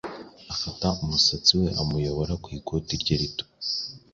afata umusatsi we, amuyobora mu ikoti rye rito,